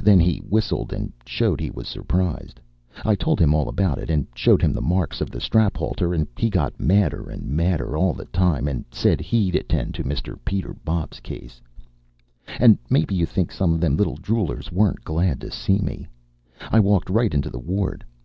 Then he whistled and showed he was surprised. I told him all about it, and showed him the marks of the strap halter, and he got madder and madder all the time and said he'd attend to Mr. Peter Bopp's case. And mebbe you think some of them little droolers weren't glad to see me. I walked right into the ward.